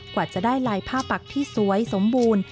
กว่าจะได้ลายผ้าปักที่สวยสมบูรณ์